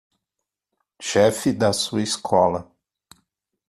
Chefe da sua escola